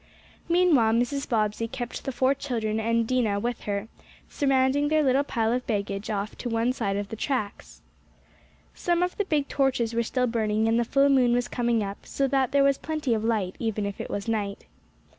Meanwhile Mrs. Bobbsey kept the four children and Dinah with her, surrounding their little pile of baggage off to one side of The tracks. Some of the big torches were still burning, and the full moon was coming up, so that there was plenty of light, even if it was night.